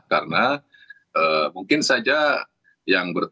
karena mungkin saja yang bertanya